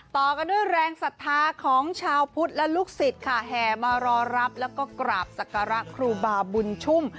ต่อกันด้วยแรงศรัทธาของชาวพุทธและลูกศิษย์ค่ะแห่มารอรับแล้วก็กราบศักระครูบาบุญชุ่ม